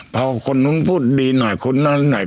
พอคนนู้นพูดดีหน่อยคนนั้นหน่อย